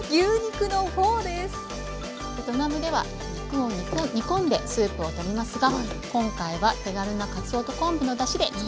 ベトナムでは肉を煮込んでスープを取りますが今回は手軽なかつおと昆布のだしで作ります。